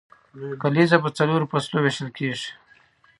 کلیزه په څلورو فصلو ویشل کیږي.